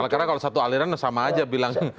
karena kalau satu aliran sama aja bilang